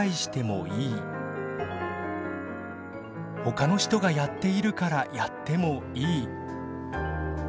ほかの人がやっているからやってもいい。